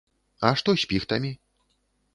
А што з піхтамі?